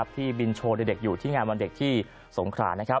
ที่บินโชว์เด็กอยู่ที่งานวันเด็กที่สงขรา